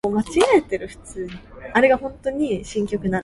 開唔開心？高唔高興？